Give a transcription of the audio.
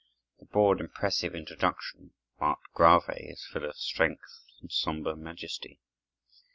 The broad, impressive introduction marked grave is full of strength and somber majesty.